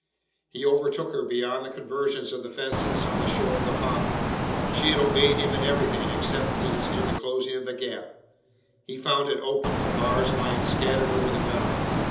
He overtook her beyond the convergence of the fences on the shore of the pond. She had obeyed him in everything except as to the closing of the gap. He found it open the bars lying scattered over the ground.